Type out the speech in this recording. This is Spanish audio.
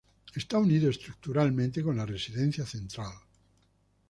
Está unido estructuralmente con la residencia central.